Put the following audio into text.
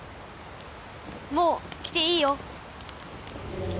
もう来ていいよ